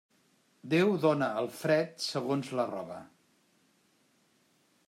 Déu dóna el fred segons la roba.